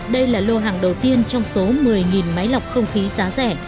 đây là lô hàng đầu tiên trong số một mươi máy lọc không khí giá rẻ